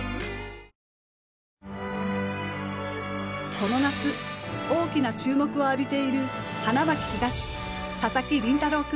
この夏、大きな注目を浴びている花巻東、佐々木麟太郎君。